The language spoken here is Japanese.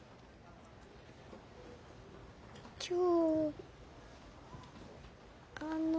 今日あの。